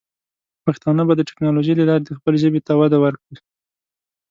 پښتانه به د ټیکنالوجۍ له لارې د خپلې ژبې ته وده ورکړي.